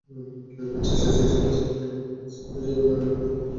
Manchester সিটির কাছে Everton হারলেই নিশ্চিত হয়ে যাবে গানারদের শীর্ষচারে থাকা।